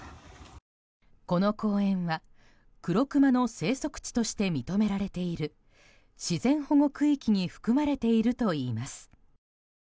この公園はクロクマの生息地として認められている自然保護区域に含まれているといいます。